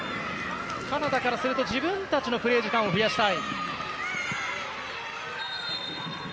カナダからすると自分たちのプレー時間を増やしたい。